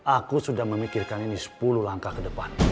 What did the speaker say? aku sudah memikirkan ini sepuluh langkah ke depan